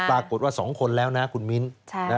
ปรากฏว่า๒คนแล้วนะคุณมิ้น